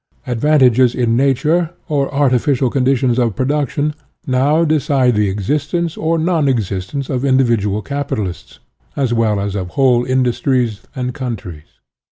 Advantages in nat ural or artificial conditions of production now decide the existence or non existence of individual capitalists, as well as of whole industries and countries.